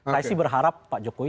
saya sih berharap pak jokowi